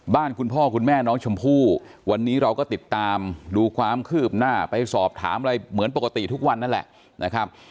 คุณพ่อคุณแม่น้องชมพู่วันนี้เราก็ติดตามดูความคืบหน้าไปสอบถามอะไรเหมือนปกติทุกวันนั่นแหละนะครับ